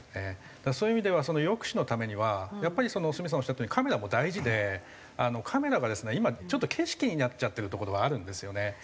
だからそういう意味ではその抑止のためにはやっぱり鷲見さんおっしゃったようにカメラも大事でカメラがですね今ちょっと景色になっちゃってるところがあるんですよね。